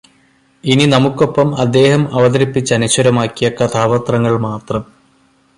ഇനി നമുക്കൊപ്പം അദ്ദേഹം അവതരിപ്പിച്ച് അനശ്വരമാക്കിയ കഥാപാത്രങ്ങൾ മാത്രം.